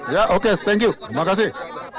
ya oke thank you terima kasih